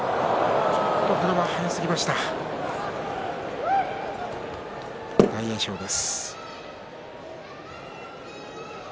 ちょっとこれは速すぎました、大栄翔です。